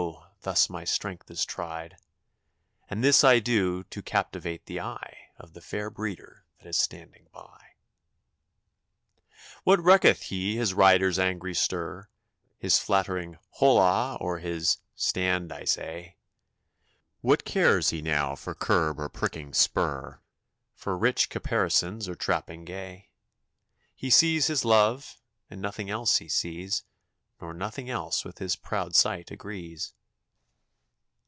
thus my strength is tried; And this I do to captivate the eye Of the fair breeder that is standing by." What recketh he his rider's angry stir, His flattering "Holla," or his "Stand, I say"? What cares he now for curb or pricking spur, For rich caparisons or trapping gay? He sees his love, and nothing else he sees, Nor nothing else with his proud sight agrees.